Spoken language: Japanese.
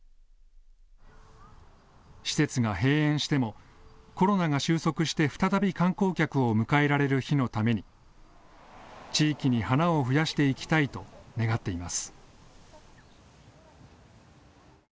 施設が閉園してもコロナが収束して再び観光客を迎えられる日のために地域に花を増やしていきたいと願っています。